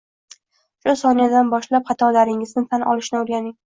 Shu soniyadan boshlab xatolaringizni tan olishni o’rganing